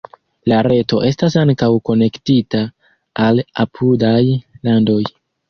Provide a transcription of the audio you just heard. La reto estas ankaŭ konektita al apudaj landoj.